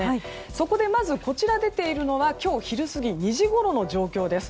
そこでまず、こちら出ているのは今日昼過ぎ２時ごろの状況です。